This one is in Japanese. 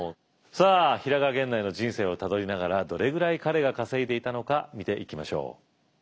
さあ平賀源内の人生をたどりながらどれぐらい彼が稼いでいたのか見ていきましょう。